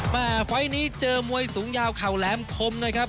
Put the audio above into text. ไฟล์นี้เจอมวยสูงยาวเข่าแหลมคมนะครับ